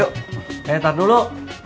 yuk entar dulu